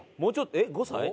えっ５歳？